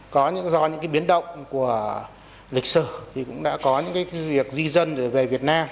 có do những biến động của lịch sử thì cũng đã có những việc di dân về việt nam